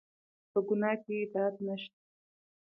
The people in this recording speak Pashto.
په ګناه کې اطاعت نشته